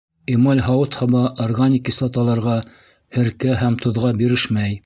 Эмаль һауыт-һаба органик кислоталарға, һеркә һәм тоҙға бирешмәй.